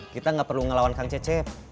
kita gak perlu ngelawan kang cecep